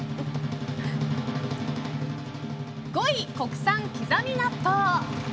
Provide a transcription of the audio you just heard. ５位、国産きざみ納豆。